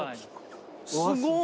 すごい。